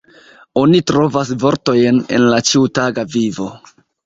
Oni trovas vortojn el la ĉiutaga vivo.